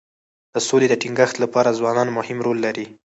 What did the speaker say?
د سولې د ټینګښت لپاره ځوانان مهم رول لري.